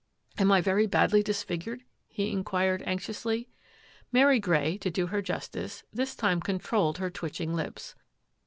"Am I very badly disfigured?" he inquired anxiously. Mary Grey, to do her justice, this time controlled her twitching lips.